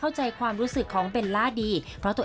เราก็จะมีความรู้สึกเรื่องของความสูญเสียอยู่บ้างนะครับ